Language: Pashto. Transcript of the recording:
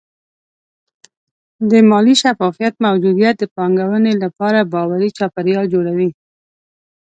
د مالي شفافیت موجودیت د پانګونې لپاره باوري چاپېریال جوړوي.